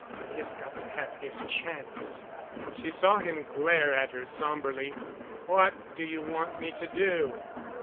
He has got to have his chance." She saw him glare at her somberly. "What do you want me to do?"